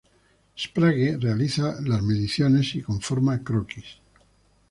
Sprague realiza las mediciones y conforma croquis.